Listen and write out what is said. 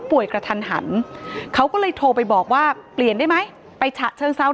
กระทันหันเขาก็เลยโทรไปบอกว่าเปลี่ยนได้ไหมไปฉะเชิงเซา